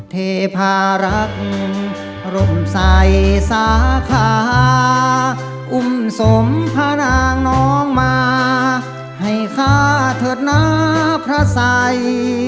เทพารักษ์ร่มใสสาขาอุ้มสมพระนางน้องมาให้ค่าเถิดหน้าพระสัย